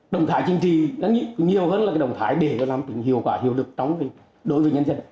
động thái chính trị nhiều hơn là cái động thái để làm hiệu quả hiệu lực trong đối với nhân dân